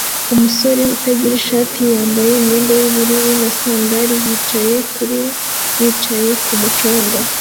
Umusore utagira ishati yambaye imyenda yubururu na sandali yicaye kuri yicaye kumu canga